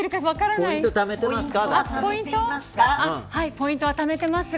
ポイントはためてますか。